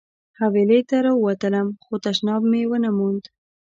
حویلۍ ته راووتلم خو تشناب مې ونه موند.